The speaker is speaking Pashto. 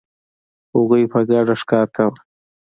هغوی په ګډه ښکار کاوه.